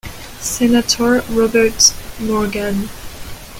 Senator Robert Morgan.